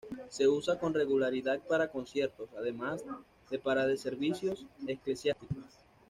Se usa con regularidad para conciertos, además de para servicios eclesiásticos.